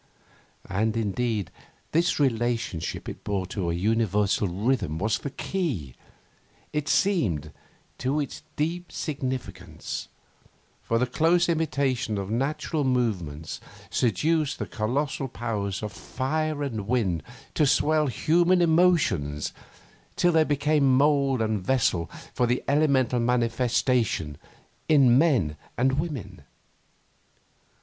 And indeed this relationship it bore to a universal rhythm was the key, it seemed, to its deep significance; for the close imitation of natural movements seduced the colossal powers of fire and wind to swell human emotions till they became mould and vessel for this elemental manifestation in men and women.